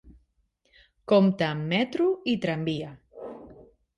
Compta amb metro i tramvia.